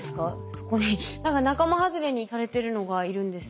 そこに何か仲間外れにされてるのがいるんですけど。